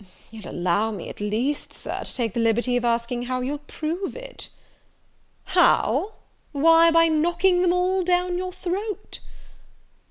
"You'll allow me, at least, Sir, to take the liberty of asking how you'll prove it?" "How? why, by knocking them all down your throat."